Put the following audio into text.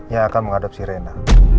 yang akan menghadapi reina